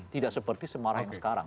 tidak seperti semarang sekarang